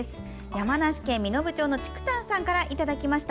山梨県身延町のチクタンさんからいただきました。